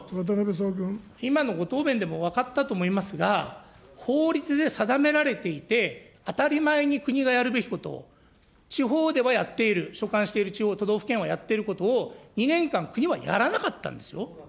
今のご答弁でも分かったと思いますが、法律で定められていて、当たり前に国がやるべきこと、地方ではやっている、所管している地方、都道府県はやっていることを、２年間、国はやらなかったんですよ。